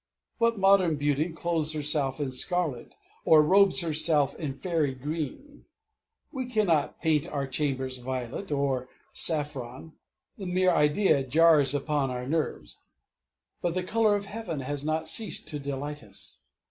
What modern beauty clothes herself in scarlet, or robes herself in fairy green? We cannot paint our chambers violet or saffron the mere idea jars upon our nerves. But the color of heaven has not ceased to delight us.